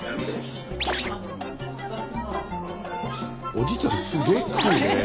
おじいちゃんすげえ食うね。